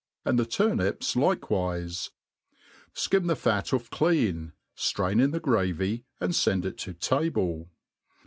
and the turnips like* wife \ (kirn the fat off clean, ftrain in the gravy, and fend it to table.